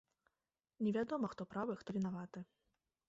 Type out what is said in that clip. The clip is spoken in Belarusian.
Невядома, хто правы, хто вінаваты.